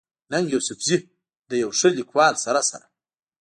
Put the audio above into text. ننګ يوسفزۍ د يو ښه ليکوال سره سره